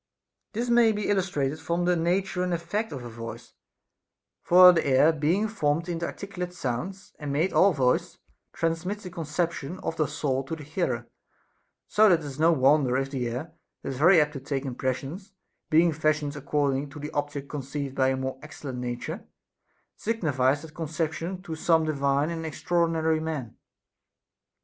This may be illustrated from the nature and effect 406 A DISCOURSE CONCERNING of voice ; for the air being formed into articulate sounds, and made all voice, transmits the conception of the soul to the hearer ; so that it is no wonder if the air, that is very apt to take impressions, being fashioned according to the object conceived by a more excellent nature, signifies that conception to some divine and extraordinary men.